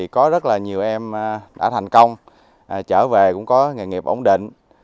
có rất là nhiều em đã thành công trở về cũng có nghề nghiệp ổn định